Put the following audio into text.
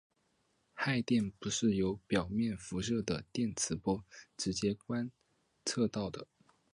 氦闪不是由表面辐射的电磁波直接观测到的。